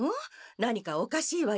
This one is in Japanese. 何かおかしいわよ？